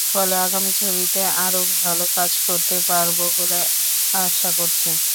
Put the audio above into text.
ফলে আগামী ছবিতে আরও ভালো কাজ করতে পারব বলে আশা করছি।